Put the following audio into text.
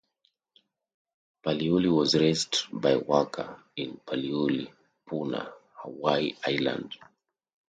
Paliuli was raised by Waka in Paliuli, Puna, Hawaii island.